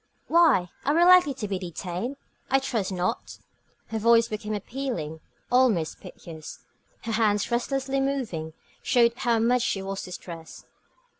"Why, are we likely to be detained? I trust not." Her voice became appealing, almost piteous. Her hands, restlessly moving, showed how much she was distressed.